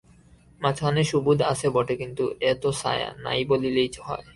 মাঝখানে সুবোধ আছে বটে, কিন্তু ও তো ছায়া, নাই বলিলেই হয়।